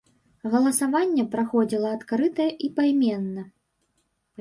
Галасаванне праходзіла адкрыта і пайменна.